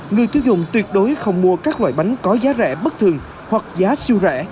người tiêu dùng tuyệt đối không mua các loại bánh có giá rẻ bất thường hoặc giá siêu rẻ